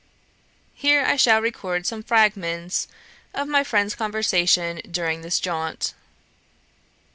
Here I shall record some fragments of my friend's conversation during this jaunt.